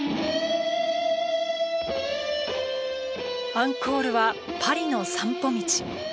アンコールは『パリの散歩道』。